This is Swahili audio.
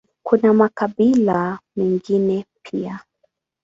Kuna makabila mengine pia.